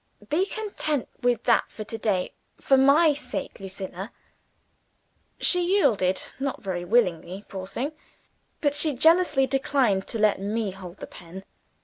Be content with that for to day. For my sake, Lucilla!" She yielded not very willingly, poor thing. But she jealously declined to let me hold the pen.